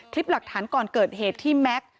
คลิปหลักฐานก่อนเกิดเหตุที่แม็กซ์